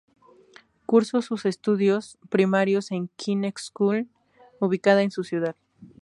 Cursó sus estudios primarios en King's School, ubicada en su ciudad.